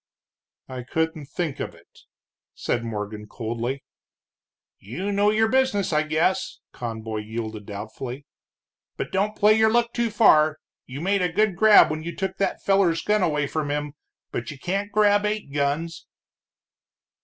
"I couldn't think of it," said Morgan, coldly. "You know your business, I guess," Conboy yielded, doubtfully, "but don't play your luck too far. You made a good grab when you took that feller's gun away from him, but you can't grab eight guns."